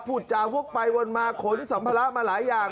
ผุดจาวพวกไปวนมาขนสัมพละมาหลายอย่าง